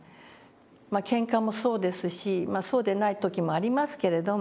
まあけんかもそうですしそうでない時もありますけれども。